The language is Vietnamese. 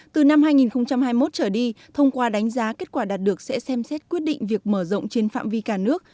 từ năm hai nghìn hai mươi một trở đi thông qua đánh giá kết quả đạt được sẽ xem xét quyết định việc mở rộng trên phạm vi cả nước